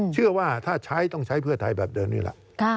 เชื่อว่าถ้าใช้ต้องใช้เพื่อไทยแบบเดิมนี่แหละ